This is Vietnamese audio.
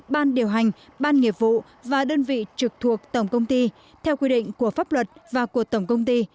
ban điều hành ban nghiệp vụ và đơn vị trực thuộc tổng công ty theo quy định của pháp luật và của tổng công ty